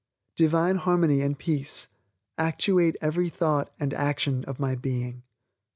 Divine Harmony and Peace actuate every thought and action of my being.